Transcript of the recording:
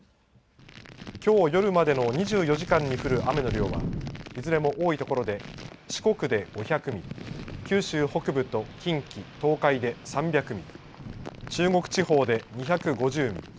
きょう夜までの２４時間に降る雨の量は、いずれも多い所で四国で５００ミリ、九州北部と近畿、東海で３００ミリ、中国地方で２５０ミリ。